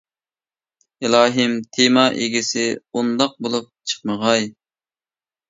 ئىلاھىم تېما ئىگىسى ئۇنداق بولۇپ چىقمىغاي.